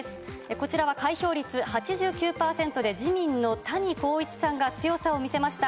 こちらは開票率８９％で、自民の谷公一さんが強さを見せました。